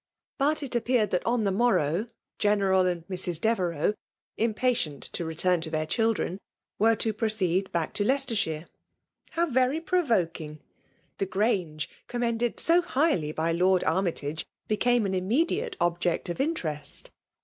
But it appeared that on the morrow* 6en^* ^ caL' axkd Mrs. Devereux* in patient to return to ' their children, were to proceed back intd iieieestershire. How rery provoking! Tfab Grange, commended so highly by Lord Army* tagCi became an immediate object of interest.